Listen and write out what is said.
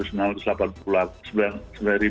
saya katakan tadi